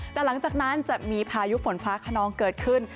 แต่หลังจากนั้นจะมีพายุฝนฟ้าขนองเกิดขึ้น